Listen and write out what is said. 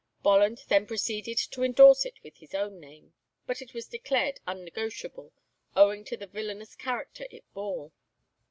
Bolland then proceeded to endorse it with his own name, but it was declared unnegotiable, owing to the villanous character it bore.